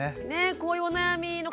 こういうお悩みの方